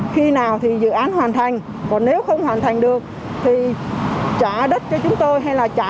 khi nào thì dự án hoàn thành còn nếu không hoàn thành được thì trả đất cho chúng tôi hay là trả